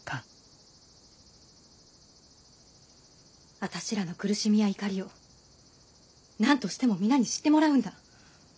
あたしらの苦しみや怒りを何としても皆に知ってもらうんだ。